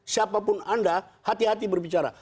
siapapun anda hati hati berbicara